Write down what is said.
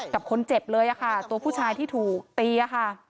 กับคนเจ็บเลยค่ะตัวผู้ชายที่ถูกตีค่ะ